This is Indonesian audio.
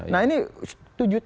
nah ini tujuh tahun